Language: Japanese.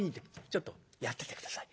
ちょっとやってて下さい。